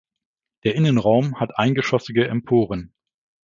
Der Innenraum hat eingeschossige Emporen.